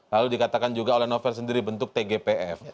lalu dikatakan juga oleh novel sendiri bentuk tgpf